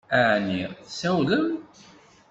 Ɛni tsawlem?